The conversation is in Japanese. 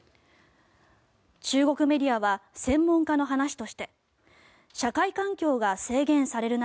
中国メディアは専門家の話として社会環境が制限される